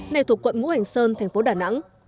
nay thuộc quận ngũ hành sơn thành phố đà nẵng